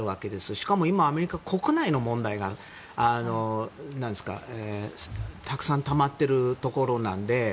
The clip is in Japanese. しかも今、アメリカは国内の問題がたくさんたまっているところなので。